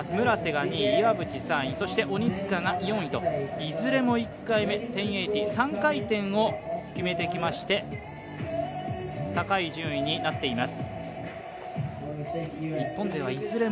村瀬が２位、岩渕３位、そして鬼塚が４位と、いずれも１回目、１０８０３回転を決めてきまして高い順位になっています。